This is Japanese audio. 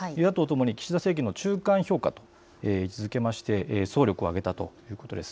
岸田政権の中間評価と位置づけて総力を挙げたということです。